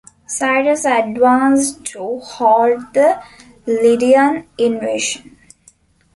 Cyrus advanced to halt the Lydian invasion.